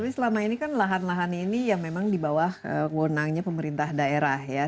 tapi selama ini kan lahan lahan ini ya memang di bawah wonangnya pemerintah daerah ya